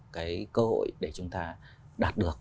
cái cơ hội để chúng ta đạt được